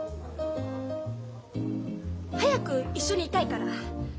早く一緒にいたいから。